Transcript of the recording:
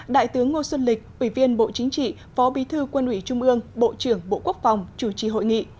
đại tướng ngô xuân lịch ủy viên bộ chính trị phó bí thư quân ủy trung ương bộ trưởng bộ quốc phòng chủ trì hội nghị